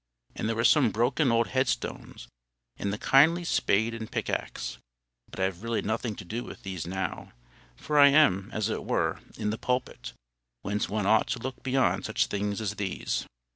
And there were some broken old headstones, and the kindly spade and pickaxe—but I have really nothing to do with these now, for I am, as it were, in the pulpit, whence one ought to look beyond such things as these.